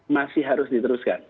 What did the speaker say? masih harus diteruskan